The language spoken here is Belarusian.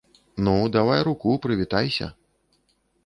Ну, давай руку, прывітайся.